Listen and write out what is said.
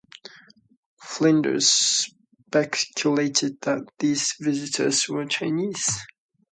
Flinders speculated that these visitors were Chinese.